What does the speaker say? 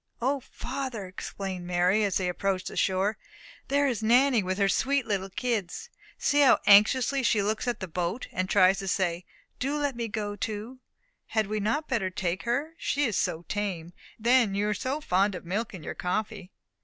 "O, father," exclaimed Mary, as they approached the shore, "there is Nanny with her sweet little kids. See how anxiously she looks at the boat, and tries to say, 'Do let me go too.' Had we not better take her? She is so tame; and then you are so fond of milk in your coffee."